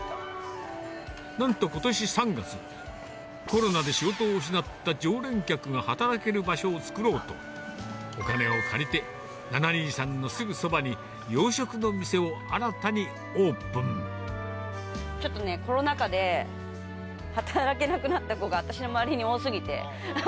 なんと、ことし３月、コロナで仕事を失った常連客が働ける場所を作ろうと、お金を借りて、７２３のすぐそばに、ちょっとね、コロナ禍で働けなくなった子が私の周りに多すぎて。